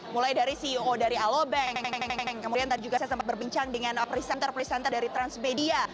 mulai dari ceo dari alobank kemudian tadi juga saya sempat berbincang dengan presenter presenter dari transmedia